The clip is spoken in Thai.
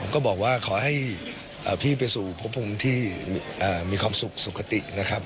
ก็บอกว่าขอให้พี่ไปสู่พบมุมมุมดีมีความสุขในเรื่องสุขศักดิ์